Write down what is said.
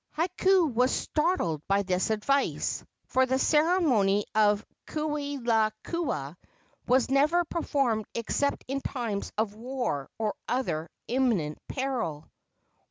Hakau was startled by this advice, for the ceremony of kauilaakua was never performed except in times of war or other imminent peril.